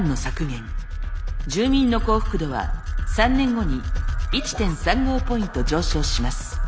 住民の幸福度は３年後に１．３５ポイント上昇します。